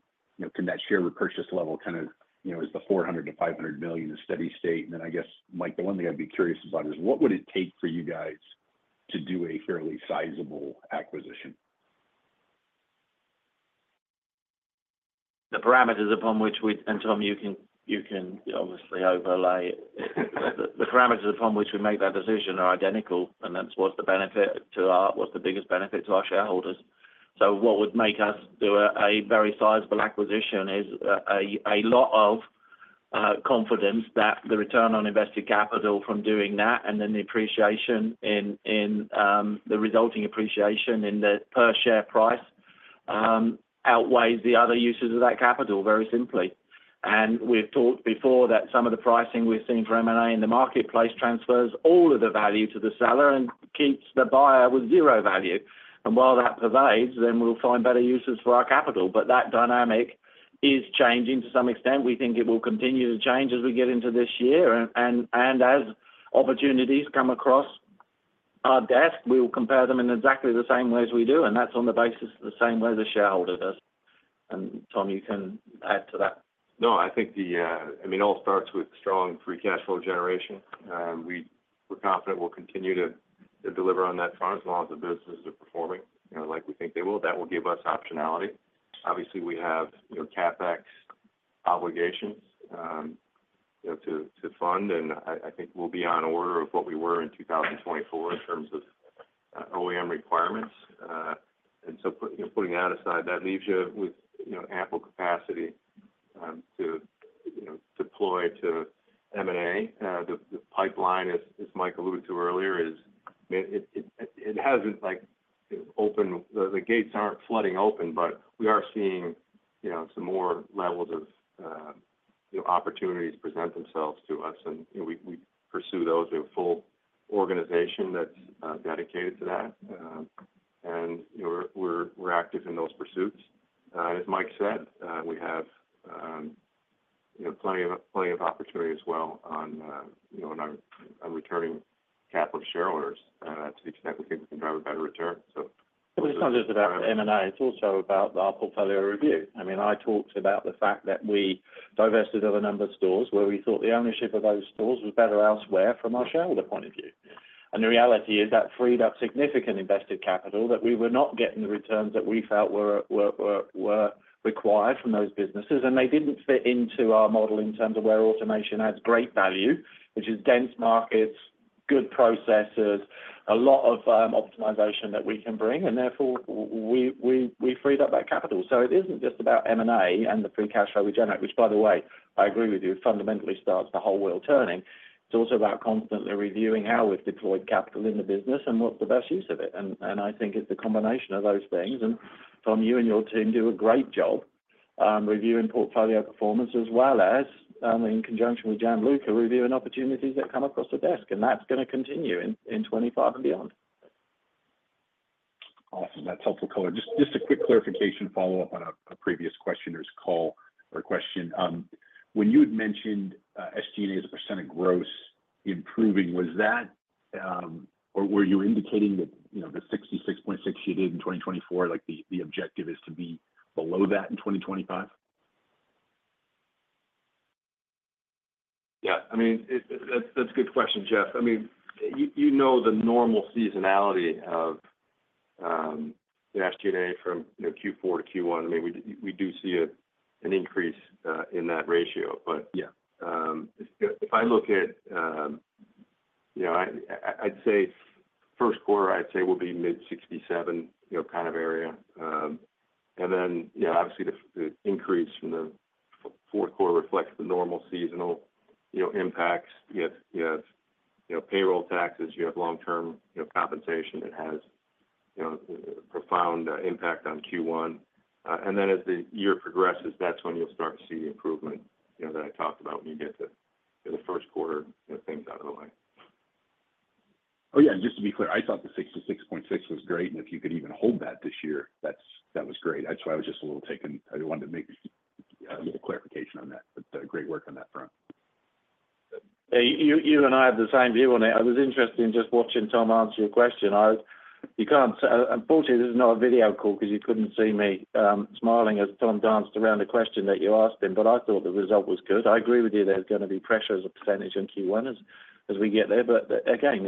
Can that share repurchase level kind of is the $400 million-$500 million a steady state? And then I guess, Mike, the one thing I'd be curious about is what would it take for you guys to do a fairly sizable acquisition? The parameters upon which we, and Tom, you can obviously overlay, the parameters upon which we make that decision are identical. And that's what's the benefit to our, what's the biggest benefit to our shareholders? So what would make us do a very sizable acquisition is a lot of confidence that the return on invested capital from doing that and then the appreciation in the resulting appreciation in the per-share price outweighs the other uses of that capital very simply. And we've talked before that some of the pricing we've seen for M&A in the marketplace transfers all of the value to the seller and keeps the buyer with zero value. And while that pervades, then we'll find better uses for our capital. But that dynamic is changing to some extent. We think it will continue to change as we get into this year. And as opportunities come across our desk, we will compare them in exactly the same way as we do. And that's on the basis of the same way the shareholders are. And Tom, you can add to that. No, I think the - I mean, it all starts with strong free cash flow generation. We're confident we'll continue to deliver on that fund as long as the business is performing like we think they will. That will give us optionality. Obviously, we have CapEx obligations to fund. And I think we'll be on order of what we were in 2024 in terms of OEM requirements. And so putting that aside, that leaves you with ample capacity to deploy to M&A. The pipeline, as Mike alluded to earlier, is. It hasn't opened. The gates aren't flooding open, but we are seeing some more levels of opportunities present themselves to us. And we pursue those with a full organization that's dedicated to that. And we're active in those pursuits. And as Mike said, we have plenty of opportunity as well on our returning capital shareholders to the extent we think we can drive a better return. So it's not just about M&A. It's also about our portfolio review. I mean, I talked about the fact that we divested of a number of stores where we thought the ownership of those stores was better elsewhere from our shareholder point of view. And the reality is that freed up significant invested capital that we were not getting the returns that we felt were required from those businesses. And they didn't fit into our model in terms of where automation adds great value, which is dense markets, good processes, a lot of optimization that we can bring. And therefore, we freed up that capital. So it isn't just about M&A and the free cash flow we generate, which, by the way, I agree with you, fundamentally starts the whole world turning. It's also about constantly reviewing how we've deployed capital in the business and what's the best use of it. And I think it's the combination of those things. And Tom, you and your team do a great job reviewing portfolio performance as well as, in conjunction with Gianluca Camplone, reviewing opportunities that come across the desk. And that's going to continue in 2025 and beyond. Awesome. That's helpful. Just a quick clarification follow-up on a previous questioner's call or question. When you had mentioned SG&A's % of gross improving, was that or were you indicating that the 66.6% you did in 2024, the objective is to be below that in 2025? Yeah. I mean, that's a good question, Jeff. I mean, you know the normal seasonality of SG&A from Q4 to Q1. I mean, we do see an increase in that ratio. But if I look at, I'd say first quarter, I'd say we'll be mid-67% kind of area. And then, obviously, the increase from the fourth quarter reflects the normal seasonal impacts. You have payroll taxes. You have long-term compensation. It has a profound impact on Q1. And then, as the year progresses, that's when you'll start to see the improvement that I talked about when you get to the first quarter things out of the way. Oh, yeah. Just to be clear, I thought the 66.6% was great. And if you could even hold that this year, that was great. That's why I was just a little taken. I wanted to make a little clarification on that. But great work on that front. You and I have the same view on it. I was interested in just watching Tom answer your question. Unfortunately, this is not a video call because you couldn't see me smiling as Tom danced around the question that you asked him. But I thought the result was good. I agree with you there's going to be pressure as a percentage in Q1 as we get there. But again,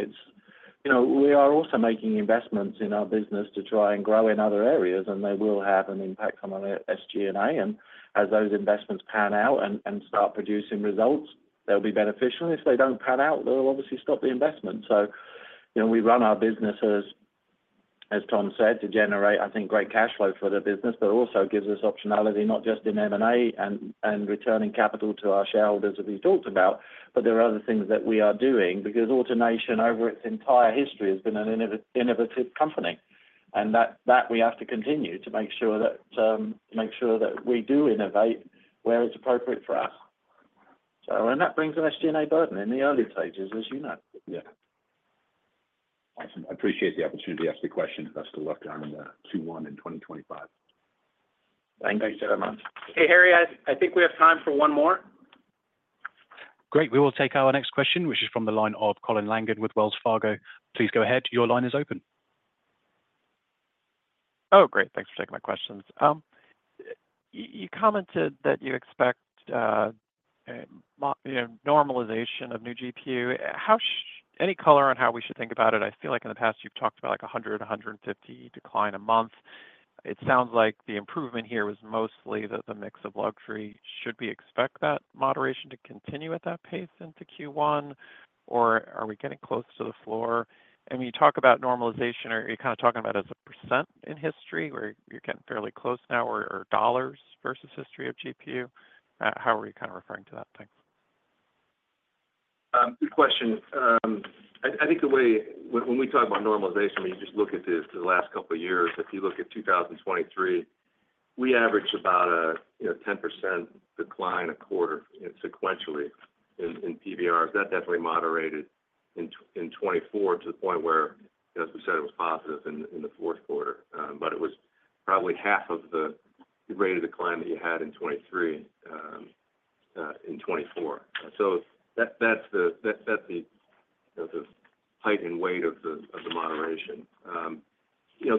we are also making investments in our business to try and grow in other areas. And they will have an impact on our SG&A. And as those investments pan out and start producing results, they'll be beneficial. And if they don't pan out, they'll obviously stop the investment. So we run our business, as Tom said, to generate, I think, great cash flow for the business, but also gives us optionality not just in M&A and returning capital to our shareholders that we talked about. But there are other things that we are doing because AutoNation, over its entire history, has been an innovative company. And that we have to continue to make sure that we do innovate where it's appropriate for us. And that brings the SG&A burden in the early stages, as you know. Yeah. Awesome. I appreciate the opportunity to ask the question. That's the lockdown in Q1 in 2025. Thank you so much. Hey, Harry, I think we have time for one more. Great. We will take our next question, which is from the line of Colin Langan with Wells Fargo. Please go ahead. Your line is open. Oh, great. Thanks for taking my questions. You commented that you expect normalization of new GPU. Any color on how we should think about it? I feel like in the past, you've talked about 100, 150 decline a month. It sounds like the improvement here was mostly that the mix of luxury. Should we expect that moderation to continue at that pace into Q1? Or are we getting close to the floor? And when you talk about normalization, are you kind of talking about as a percent in history where you're getting fairly close now or dollars versus history of GPU? How are you kind of referring to that? Thanks. Good question. I think the way when we talk about normalization, when you just look at the last couple of years, if you look at 2023, we averaged about a 10% decline a quarter sequentially in PVRs. That definitely moderated in 2024 to the point where, as we said, it was positive in the fourth quarter. But it was probably half of the rate of decline that you had in 2023 in 2024. So that's the height and weight of the moderation.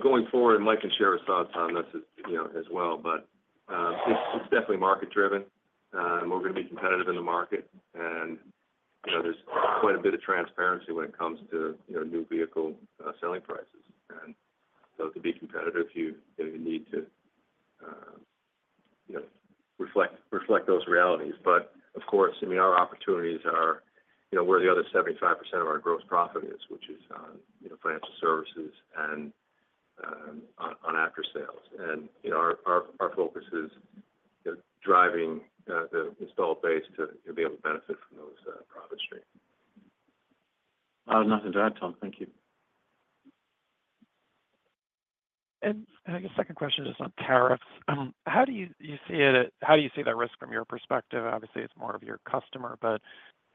Going forward, Mike can share his thoughts on this as well, but it's definitely market-driven. We're going to be competitive in the market. And there's quite a bit of transparency when it comes to new vehicle selling prices. And so to be competitive, you need to reflect those realities. But of course, I mean, our opportunities are where the other 75% of our gross profit is, which is on financial services and on after-sales. And our focus is driving the installed base to be able to benefit from those profit streams. Nothing to add, Tom. Thank you. And I guess second question is just on tariffs. How do you see it? How do you see that risk from your perspective? Obviously, it's more of your customer. But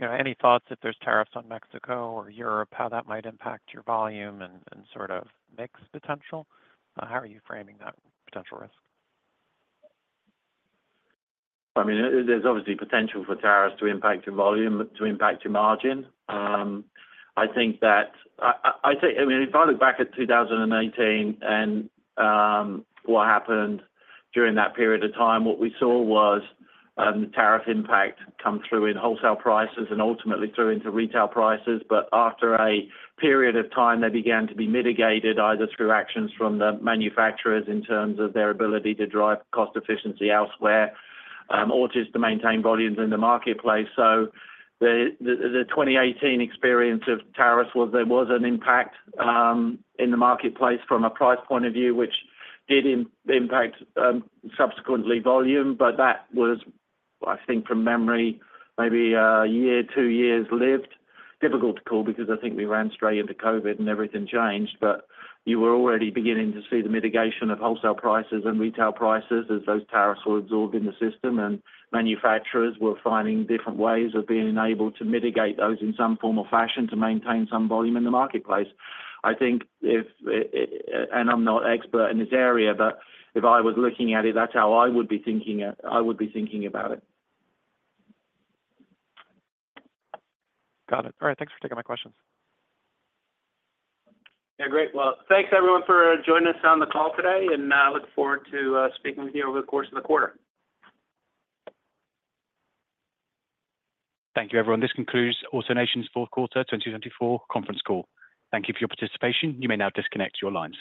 any thoughts if there's tariffs on Mexico or Europe, how that might impact your volume and sort of mix potential? How are you framing that potential risk? I mean, there's obviously potential for tariffs to impact your volume, to impact your margin. I think that I mean, if I look back at 2018 and what happened during that period of time, what we saw was the tariff impact come through in wholesale prices and ultimately through into retail prices, but after a period of time, they began to be mitigated either through actions from the manufacturers in terms of their ability to drive cost efficiency elsewhere or just to maintain volumes in the marketplace. So the 2018 experience of tariffs was there was an impact in the marketplace from a price point of view, which did impact subsequently volume, but that was, I think from memory, maybe a year, two years lived. Difficult to call because I think we ran straight into COVID and everything changed, but you were already beginning to see the mitigation of wholesale prices and retail prices as those tariffs were absorbed in the system. Manufacturers were finding different ways of being able to mitigate those in some form or fashion to maintain some volume in the marketplace. I think if—and I'm not an expert in this area—but if I was looking at it, that's how I would be thinking it. I would be thinking about it. Got it. All right. Thanks for taking my questions. Yeah. Great. Thanks everyone for joining us on the call today. I look forward to speaking with you over the course of the quarter. Thank you, everyone. This concludes AutoNation's fourth quarter 2024 conference call. Thank you for your participation. You may now disconnect your lines.